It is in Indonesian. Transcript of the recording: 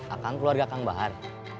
akang keluarga kang bahar